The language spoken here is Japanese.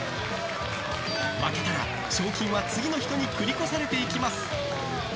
負けたら、賞金は次の人に繰り越されていきます。